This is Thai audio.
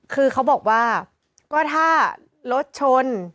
คือเขาบอกว่าก็ถ้ารถชน